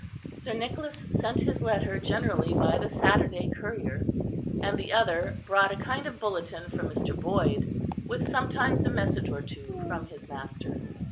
Sir Nicholas sent his letter generally by the Saturday courier, and the other brought a kind of bulletin from Mr. Boyd, with sometimes a message or two from his master.